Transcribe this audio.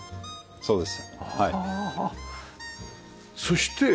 そうですね。